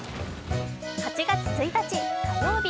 ８月１日火曜日。